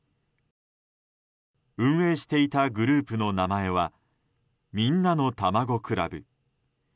運営していたグループの名前はみんなのたまご倶楽部。